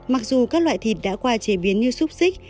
mặc dù các loại thịt đã qua chế biến như xúc xích